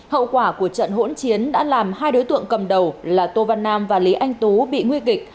hậu quả của trận hỗn chiến đã làm hai đối tượng cầm đầu là tô văn nam và lý anh tú bị nguy kịch